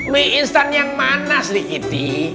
mie instan yang manas dik iti